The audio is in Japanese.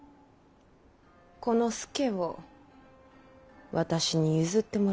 この佐を私に譲ってもらえぬか。